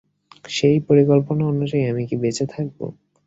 সেই পরিকল্পনা অনুযায়ী আমি কি বেঁচে থাকব?